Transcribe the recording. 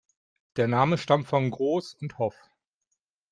Der Name stammt von Gross und Hoff.